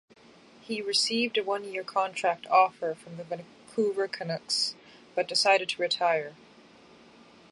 He received a one-year contract offer from the Vancouver Canucks, but decided to retire.